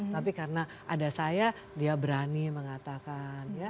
tapi karena ada saya dia berani mengatakan